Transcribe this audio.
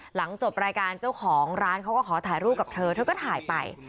หลังจบรายการเจ้าของร้านเขาก็ขอถ่ายรูปกับเธอเธอก็ถ่ายไป